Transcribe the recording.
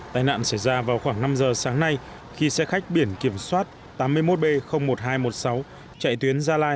tai nạn xảy ra vào khoảng năm giờ sáng nay khi xe khách biển kiểm soát tám mươi một b một nghìn hai trăm một mươi sáu chạy tuyến gia lai